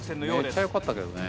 めっちゃよかったけどね。